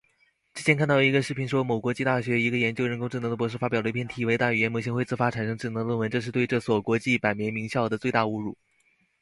之前看到一个视频说某国际大学一个研究人工智能的博士发表了一篇题为:大语言模型会自发产生智能的论文，这是对这所国际百年名校的最大侮辱